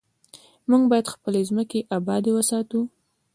موږ باید خپلې ځمکې ابادې وساتو.